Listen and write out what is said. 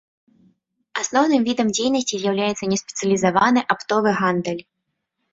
Асноўным відам дзейнасці з'яўляецца неспецыялізаваны аптовы гандаль.